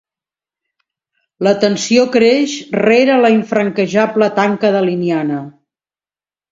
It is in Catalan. La tensió creix rere la infranquejable tanca daliniana.